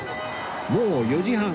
もう４時半。